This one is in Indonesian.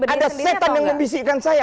ada setan yang membisikkan saya